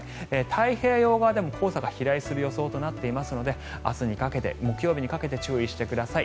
太平洋側でも黄砂が飛来する予想となっていますので明日にかけて木曜日にかけて注意してください。